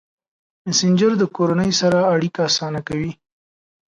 مسېنجر د کورنۍ سره اړیکه اسانه کوي.